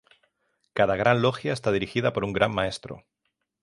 Cada Gran Logia está dirigida por un Gran Maestro.